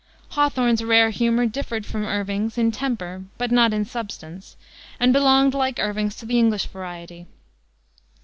Hawthorne's rare humor differed from Irving's in temper but not in substance, and belonged, like Irving's, to the English variety.